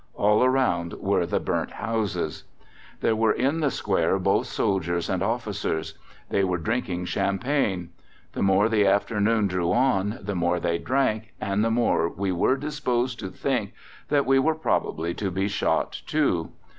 All around were the burnt houses. "There were in the Square both soldiers and officers. They were drinking champagne. The more the afternoon drew on the more they drank, and the more we were disposed to think that we were probably to be shot too.